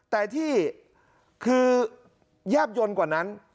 แต่ที่คือแยบยนต์กว่านั้น